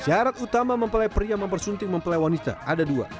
syarat utama mempelai pria mempersuntik mempelai wanita ada dua